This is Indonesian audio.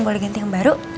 boleh ganti yang baru